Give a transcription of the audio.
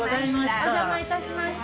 お邪魔いたしました。